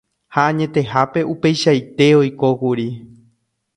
ha añetehápe upeichaite oikókuri.